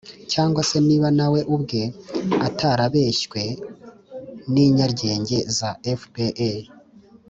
cyangwa se niba na we ubwe atarabeshywe n'inyarwenge za fpr